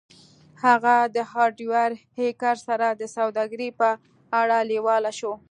هغه د هارډویر هیکر سره د سوداګرۍ په اړه لیواله شو